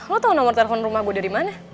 lo tau nomer telepon rumah gue dari mana